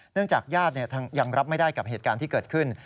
จากญาติยังรับไม่ได้กับเหตุการณ์ที่เกิดขึ้น